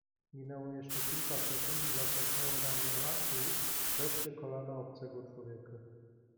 "Minęło jeszcze kilka sekund i zaczerniały ramiona, tułów, wreszcie kolana obcego człowieka."